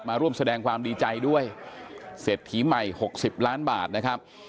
มาร่วมแสดงความดีใจด้วยเศรษฐีใหม่๖๐ล้านบาทนะครับ